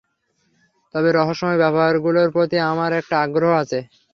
তবে রহস্যময় ব্যাপারগুলোর প্রতি আমার একটা আগ্রহ আছে।